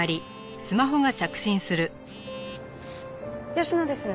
吉野です。